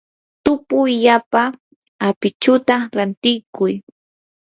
tupuyllapa apichuta rantikuy.